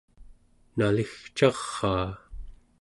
naligcaraa